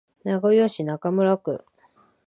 名古屋市中村区